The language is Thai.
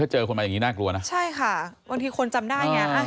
ถ้าเจอคนมานี้น่ากลัวแน่ครับใช่ค่ะบางทีคนจำได้อย่างเงี้ย